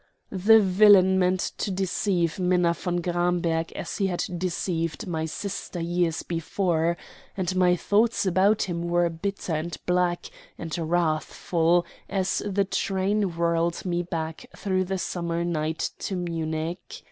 The villain meant to deceive Minna von Gramberg as he had deceived my sister years before, and my thoughts about him were bitter and black and wrathful as the train whirled me back through the summer night to Munich.